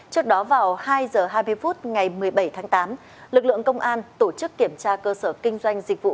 trước đó vào hai h hai mươi phút ngày một mươi bảy tháng tám lực lượng công an tổ chức kiểm tra cơ sở kinh doanh dịch vụ